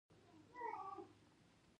کروندې زرغونې شوې وې.